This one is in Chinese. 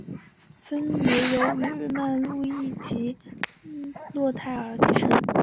而法兰克王国东部和中部的领土则分别由日耳曼人路易及洛泰尔继承。